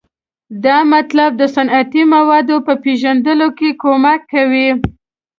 دا مطالب د صنعتي موادو په پیژندلو کې کومک کوي.